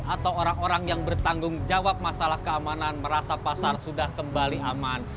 atau orang orang yang bertanggung jawab masalah keamanan merasa pasar sudah kembali aman